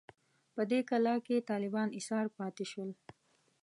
په دې کلا کې طالبان ایسار پاتې شول.